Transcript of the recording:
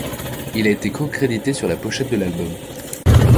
Il a été cocrédité sur la pochette de l'album.